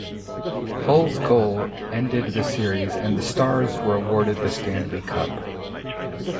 Hull's goal ended the series and the Stars were awarded the Stanley Cup.